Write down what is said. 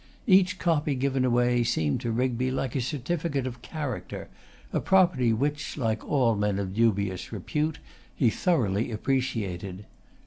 Each copy given away seemed to Rigby like a certificate of character; a property which, like all men of dubious repute, he thoroughly appreciated.